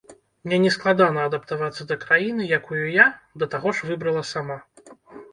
Мне нескладана адаптавацца да краіны, якую я, да таго ж, выбрала сама.